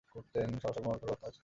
সাহস অবলম্বন কর ও কাজ করে যাও।